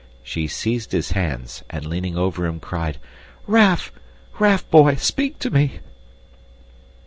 She seized his hands and, leaning over him, cried, "Raff! Raff, boy, speak to me!"